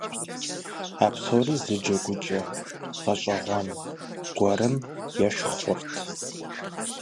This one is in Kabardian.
А псори зы джэгукӀэ гъэщӀэгъуэн гуэрым ещхь хъурт.